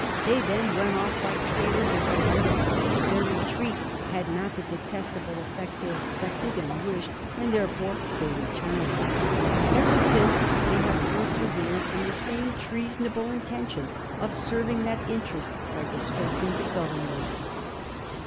They then went off like traitors as they were ; but their retreat had not the detestable effect they expected and wished, and therefore they returned. Ever since they have persevered in the same treasonable intention of serving that interest by distressing the Government."